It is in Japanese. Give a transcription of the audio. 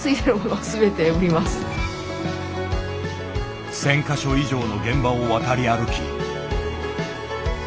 １０００か所以上の現場を渡り歩き。